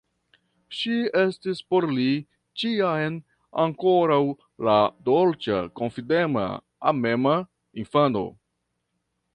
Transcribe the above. Ŝi estis por li ĉiam ankoraŭ la dolĉa, konfidema, amema infano.